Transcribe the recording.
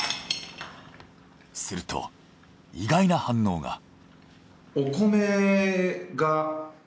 すると意外な反応が。